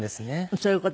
そういう事。